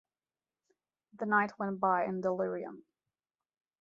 The night went by in delirium.